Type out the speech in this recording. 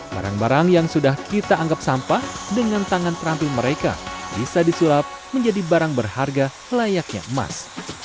barang barang yang sudah kita anggap sampah dengan tangan terampil mereka bisa disulap menjadi barang berharga layaknya emas